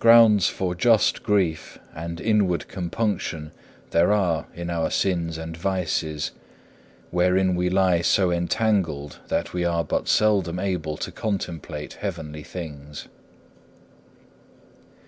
Grounds for just grief and inward compunction there are in our sins and vices, wherein we lie so entangled that we are but seldom able to contemplate heavenly things.